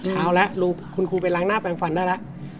เช้าแล้วคุณครูไปล้างหน้าแปลงฟันได้แล้ว